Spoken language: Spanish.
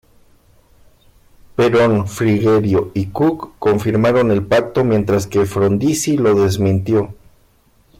Perón, Frigerio, y Cooke confirmaron el Pacto, mientras que Frondizi lo desmintió.